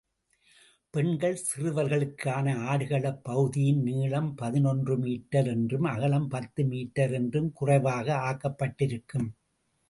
பெண்கள், சிறுவர்களுக்கான ஆடுகளப் பகுதியின் நீளம் பதினொன்று மீட்டர் என்றும், அகலம் பத்து மீட்டர் என்றும் குறைவாக ஆக்கப்பட்டிருக்கும்.